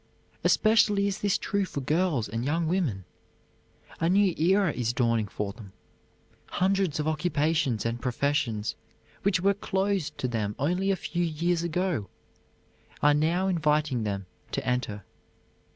Especially is this true for girls and young women. A new era is dawning for them. Hundreds of occupations and professions, which were closed to them only a few years ago, are now inviting them to enter.